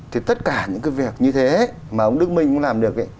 thì tất cả những cái việc như thế mà ông đức minh cũng làm được ấy